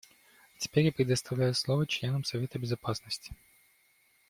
Теперь я предоставляю слово членам Совета Безопасности.